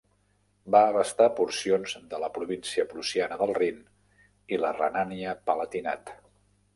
Va abastar porcions de la província prussiana del Rin i la Renània-Palatinat.